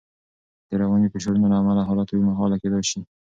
د رواني فشارونو له امله حالت اوږدمهاله کېدای شي.